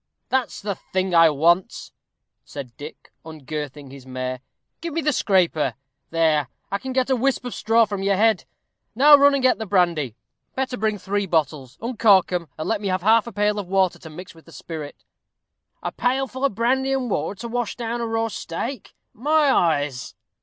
"That's the thing I want," said Dick, ungirthing his mare. "Give me the scraper. There, I can get a whisp of straw from your head. Now run and get the brandy. Better bring three bottles. Uncork 'em, and let me have half a pail of water to mix with the spirit." "A pail full of brandy and water to wash down a raw steak! My eyes!"